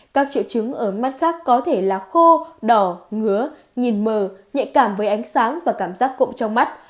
các triệu chứng ở mắt khác có thể là khô đỏ ngứa nhìn mờ nhạy cảm với ánh sáng và cảm giác cụm trong mắt